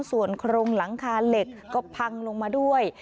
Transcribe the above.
ส่วนโครงหลังคาเหล็กก็พังลงมาด้วย